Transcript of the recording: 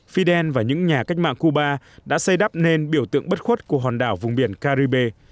fidel và những nhà cách mạng cuba đã xây đắp nên biểu tượng bất khuất của hòn đảo vùng biển caribe